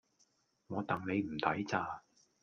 我戥你唔抵咋